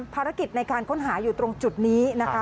ภารกิจในการค้นหาอยู่ตรงจุดนี้นะคะ